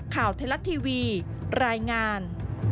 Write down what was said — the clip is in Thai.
ข่าวไทยรัฐทีวีรายงาน